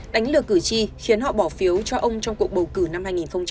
đánh lừa cử tri khiến họ bỏ phiếu cho ông trong cuộc bầu cử năm hai nghìn một mươi sáu